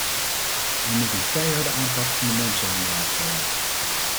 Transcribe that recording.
Er moet een keiharde aanpak van de mensenhandelaars komen.